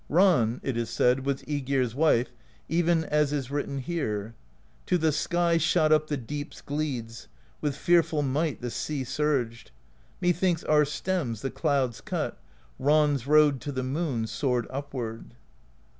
"Ran, it is said, was iEgir's wife, even as is written here : To the sky shot up the Deep's Gledes, With fearful might the sea surged: Methinks our stems the clouds cut, — Ran's Road to the moon soared upward.